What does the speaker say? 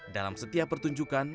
dalam setiap pertunjukan